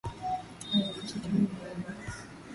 Harakisha twende nyumbani